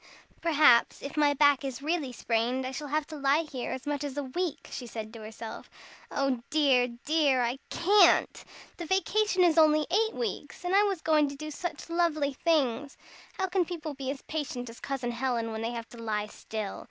"Perhaps, if my back is really sprained, I shall have to lie here as much as a week," she said to herself. "Oh dear, dear! I can't. The vacation is only eight weeks, and I was going to do such lovely things! How can people be as patient as Cousin Helen when they have to lie still?